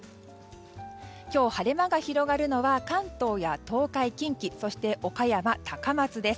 今日晴れ間が広がるのは関東や東海、近畿そして、岡山、高松です。